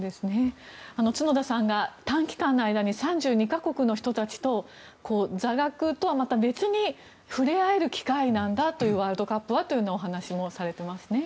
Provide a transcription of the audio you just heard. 角田さんが短期間の間に３２か国の人たちと座学とはまた別に触れ合える機会なんだというワールドカップはというお話もされていますね。